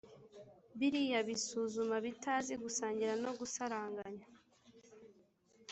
Biriya bisuma bitazi gusangira no gusaranganya